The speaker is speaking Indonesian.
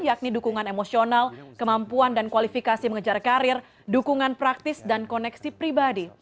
yakni dukungan emosional kemampuan dan kualifikasi mengejar karir dukungan praktis dan koneksi pribadi